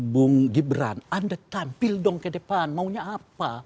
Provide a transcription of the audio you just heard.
bung gibran anda tampil dong ke depan maunya apa